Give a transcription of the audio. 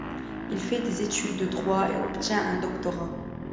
Il fait des études de droit et obtient un doctorat.